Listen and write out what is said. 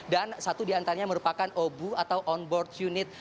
dan satu di antaranya merupakan obu atau on board unit